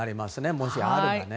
もしあればね。